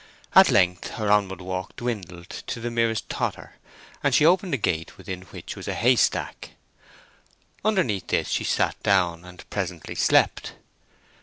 At length her onward walk dwindled to the merest totter, and she opened a gate within which was a haystack. Underneath this she sat down and presently slept.